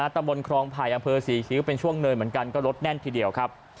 ตำบลครองไผ่อำเภอศรีคิ้วเป็นช่วงเนินเหมือนกันก็รถแน่นทีเดียวครับ